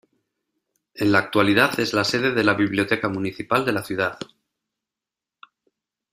En la actualidad es la sede de la biblioteca municipal de la ciudad.